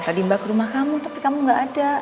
tadi mbak ke rumah kamu tapi kamu gak ada